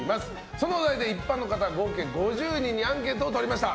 そのお題で一般の方合計５０人にアンケートをとりました。